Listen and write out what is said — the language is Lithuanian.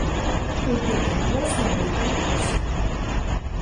Upių tinklas labai tankus.